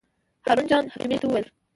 هارون جان حکیمي ته یې وویل.